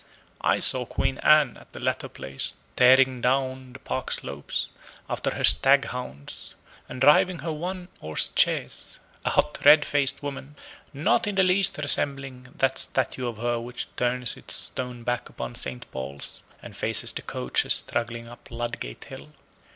I saw Queen Anne at the latter place tearing down the Park slopes, after her stag hounds, and driving her one horse chaise a hot, red faced woman, not in the least resembling that statue of her which turns its stone back upon St. Paul's, and faces the coaches struggling up Ludgate Hill.